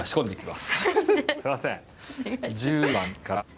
すみません。